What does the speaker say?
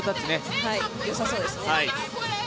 よさそうですね。